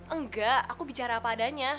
enggak aku bicara apa adanya